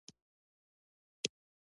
اخبار چاپ نه شو.